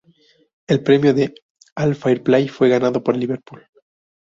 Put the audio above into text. El Premio al Fair Play fue ganado por el Liverpool.